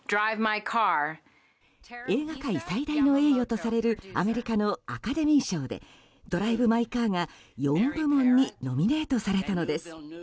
映画界最大の栄誉とされるアメリカのアカデミー賞で「ドライブ・マイ・カー」が４部門にノミネートされたのです。